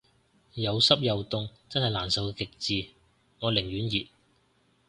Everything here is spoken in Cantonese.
有濕又凍真係難受嘅極致，我寧願熱